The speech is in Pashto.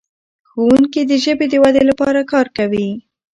ښوونکي د ژبې د ودې لپاره کار کوي.